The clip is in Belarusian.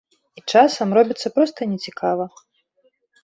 І часам робіцца проста не цікава.